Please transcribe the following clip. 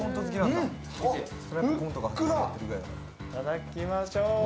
いただきましょう。